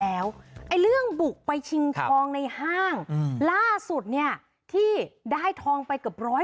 แล้วไอ้เรื่องบุกไปชิงทองในห้างล่าสุดเนี่ยที่ได้ทองไปเกือบร้อย